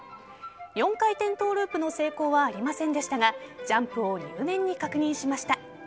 ４回転トゥループの成功はありませんでしたがジャンプを入念に確認しました。